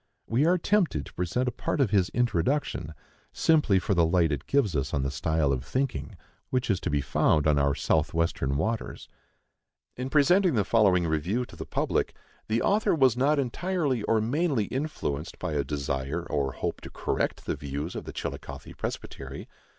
We are tempted to present a part of his Introduction, simply for the light it gives us on the style of thinking which is to be found on our south western waters: In presenting the following review to the public, the author was not entirely or mainly influenced by a desire or hope to correct the views of the Chillicothe Presbytery.